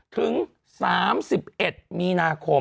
ถึง๓๑มีนาคม